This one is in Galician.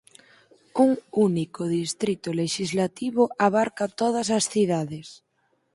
Un único distrito lexislativo abarca todas as cidades.